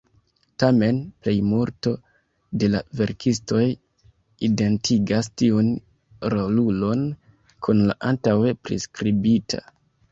Tamen, la plejmulto de la verkistoj identigas tiun rolulon kun la antaŭe priskribita.